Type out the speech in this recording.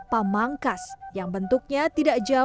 pamangkas yang berdiri